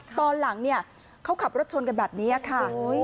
ตอนหลังเนี่ยเขาขับรถชนกันแบบนี้ค่ะ